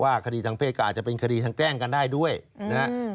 คดีทางเพศก็อาจจะเป็นคดีทางแกล้งกันได้ด้วยนะฮะ